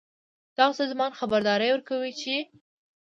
دغه سازمان خبرداری ورکوي چې